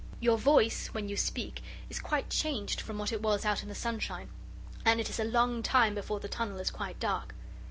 Your voice, when you speak, is quite changed from what it was out in the sunshine, and it is a long time before the tunnel is quite dark.